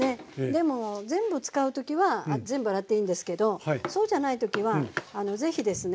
でも全部使う時は全部洗っていいんですけどそうじゃない時は是非ですね